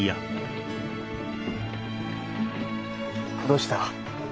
どうした？